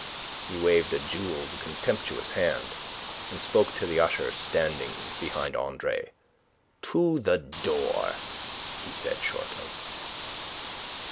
He waved a jewelled, contemptuous hand, and spoke to the usher standing behind Andre. "To the door!" he said, shortly.